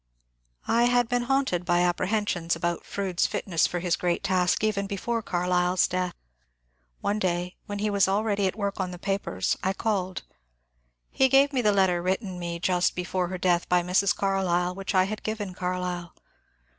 I had been haunted by apprehensions about Fronde's fit ness for his great task even before Carlyle's death. One day, when he was already at work on the papers, I called. He gave me the letter written me just before her death by Mrs. Carlyle which I had given Carlyle.